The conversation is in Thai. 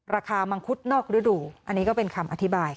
มังคุดนอกฤดูอันนี้ก็เป็นคำอธิบาย